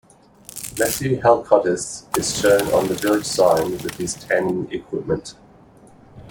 Mathew Hallcottis is shown on the village sign with his tanning equipment.